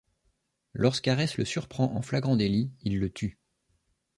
Lorsqu'Arès le surprend en flagrant délit, il le tue.